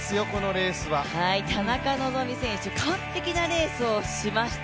田中希実選手、完璧なレースをしました。